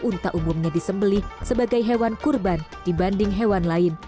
unta umumnya disembeli sebagai hewan kurban dibanding hewan lain